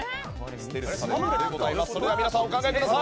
それでは皆さんお考えください！